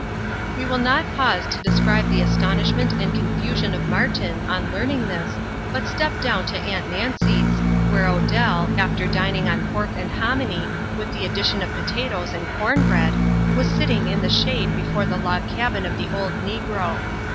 We will not pause to describe the astonishment and confusion of Martin, on learning this, but step down to Aunt Nancy's, where Odell, after dining on pork and hominy, with the addition of potatoes and corn bread, was sitting in the shade before the log cabin of the old negro.